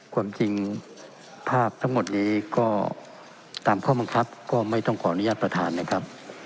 ความจริงภาพทั้งหมดนี้ก็ตามข้อบังคับก็ไม่ต้องขออนุญาตประธานนะครับ